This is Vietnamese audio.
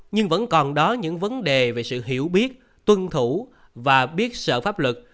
nhưng vẫn còn đó những vấn đề về sự hiểu biết tuân thủ và biết sợ pháp lực